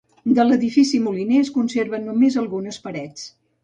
De l'edifici moliner es conserven només algunes parets.